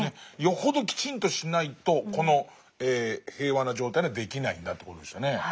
よほどきちんとしないとこの平和な状態にはできないんだという事でしたね。